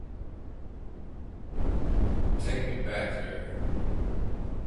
Take me back there.